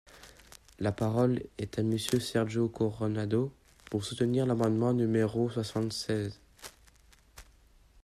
La parole est à Monsieur Sergio Coronado, pour soutenir l’amendement numéro soixante-seize.